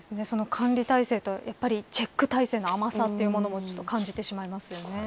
管理体制とチェック体制の甘さというものもちょっと感じてしまいますよね。